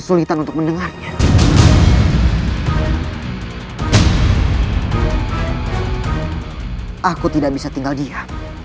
aku harus mengeluarkan penelusur vika